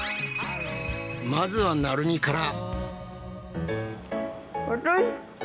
まずはなるみから。